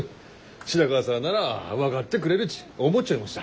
白川さぁなら分かってくれるち思っちょいもした。